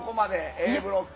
Ａブロック。